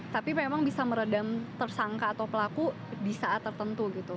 tapi memang bisa meredam tersangka atau pelaku di saat tertentu gitu